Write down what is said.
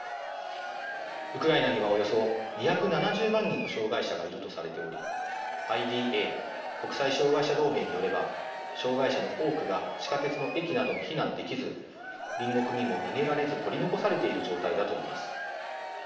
ウクライナにはおよそ２７０万人の障害者がいるとされておりＩＤＡ＝国際障害者同盟によれば障害者の多くが地下鉄の駅などに避難できず隣国にも逃げられず取り残されている状態だといいます。